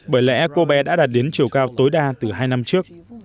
bởi lẽ cô bé đã đạt đến chiều cao tối đa từ hai năm trước